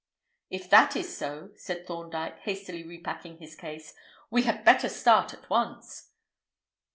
"If that is so," said Thorndyke, hastily repacking his case, "we had better start at once."